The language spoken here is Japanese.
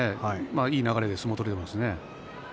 いい流れで相撲を取れていますね。